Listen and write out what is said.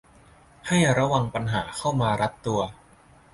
ให้ระวังปัญหาเข้ามารัดตัว